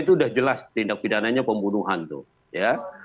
itu sudah jelas tindak pidananya pembunuhan tuh ya